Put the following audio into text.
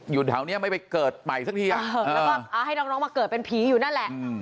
อยู่แถวนี้ไม่ไปเกิดใหม่สักทีแล้วก็ให้น้องมาเกิดเป็นผีอยู่นั่นแหละ